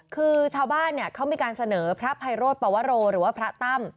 คือชาวบ้านเขามีการเสนอพระไพโรธปวโรหรือว่าพระตั้ม